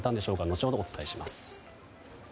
後ほどお伝えします。